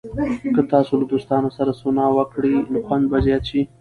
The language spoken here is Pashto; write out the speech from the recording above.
که تاسو له دوستانو سره سونا وکړئ، خوند به زیات شي.